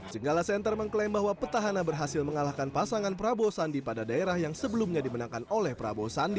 jenggala center mengklaim bahwa petahana berhasil mengalahkan pasangan prabowo sandi pada daerah yang sebelumnya dimenangkan oleh prabowo sandi